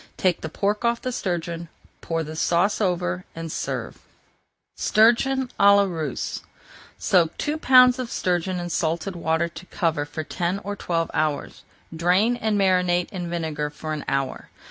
Take the pork off the sturgeon, pour the sauce over, and serve. [Page 407] STURGEON À LA RUSSE Soak two pounds of sturgeon in salted water to cover for ten or twelve hours. Drain and marinate in vinegar for an hour.